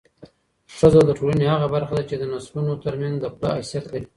ښځه د ټولنې هغه برخه ده چي د نسلونو ترمنځ د پله حیثیت لري.